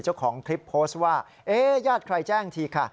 เจ้าของคลิปโพสต์ว่าญาติใครแจ้งทีค่ะ